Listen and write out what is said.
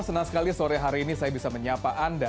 senang sekali sore hari ini saya bisa menyapa anda